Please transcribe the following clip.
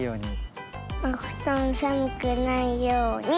おふとんさむくないように！